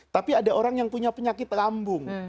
tapi ada orang yang punya penyakit lambung